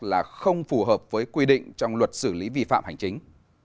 là không phù hợp với quy định trong luật xử lý vi phạm hành chính